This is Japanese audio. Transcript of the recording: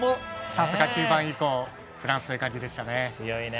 さすが中盤以降フランスという感じでしたね。